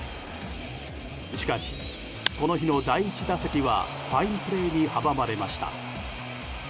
しかし、この日の第１打席はファインプレーに阻まれました。